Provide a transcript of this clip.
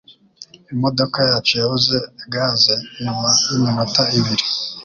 Imodoka yacu yabuze gaze nyuma yiminota ibiri